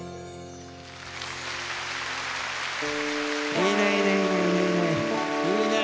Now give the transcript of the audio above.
いいねいいねいいねいいね。